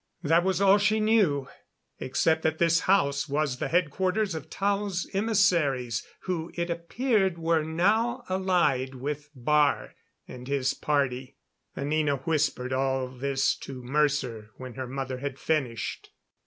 That was all she knew, except that this house was the headquarters of Tao's emissaries, who, it appeared, were now allied with Baar and his party. Anina whispered all this to Mercer when her mother had finished.